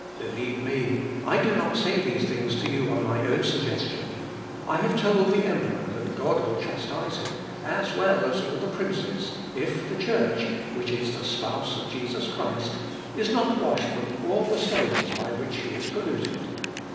Believe me, I do not say these things to you on my own suggestion. I have told the emperor that God will chastise him, as well as all the princes, if the Church, which is the spouse of Jesus Christ, is not washed from all the stains by which she is polluted.